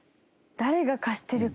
誰が貸してるか。